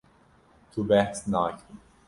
Tu behs nakî.